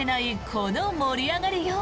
この盛り上がりよう。